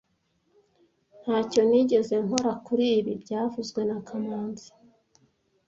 Ntacyo nigeze nkora kuri ibi byavuzwe na kamanzi